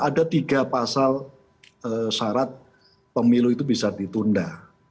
ada tiga pasal syarat pemilu itu bisa ditunda